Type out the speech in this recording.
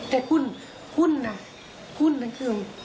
แต่คุณนะคุณคือ